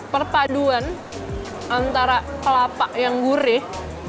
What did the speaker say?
perpaduan antara kelapa yang gurih